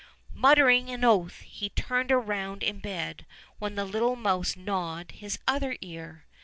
Muttering an oath, he turned round in bed, when the little mouse gnawed his other ear.